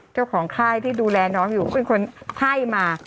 ค่ายที่ดูแลน้องอยู่เป็นคนไข้มา